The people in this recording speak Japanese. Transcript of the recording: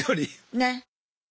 ねっ。